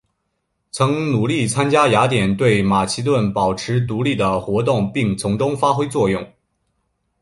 曾努力参加雅典对马其顿保持独立的活动并从中发挥作用。